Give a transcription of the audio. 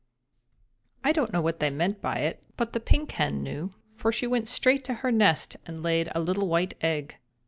I don't know what they meant by it, but the Pink Hen knew, for she went straight to her nest and laid a little white egg.